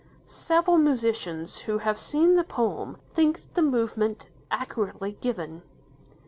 Several musicians, who have seen the poem, think the movement accurately given.